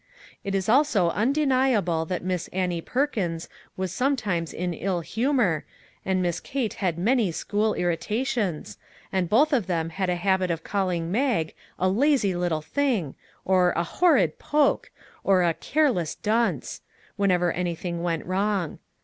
It is also undeniable that Miss Annie Perkins was sometimes in ill humor, and Miss Kate had many school irritations, and both of them had a habit of calling Mag a " lazy little thing !" or a " horrid poke!" or a "careless dunce!" whenever anything went wrong.